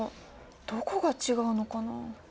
どこが違うのかな？